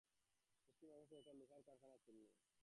পশ্চিম-আকাশে একটা লোহার কারখানার চিমনি।